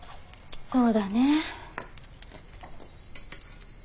そうだね。